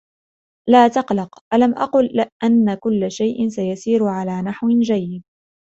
لا تقلق. ألم أقل أن كل شئ سيسيرعلى نحو جيد.